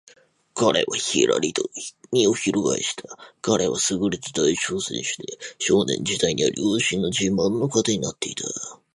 彼はひらりと身をひるがえした。彼はすぐれた体操選手で、少年時代には両親の自慢の種になっていた。